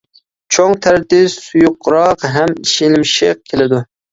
چوڭ تەرىتى سۇيۇقراق ھەم شىلىمشىق كېلىدۇ.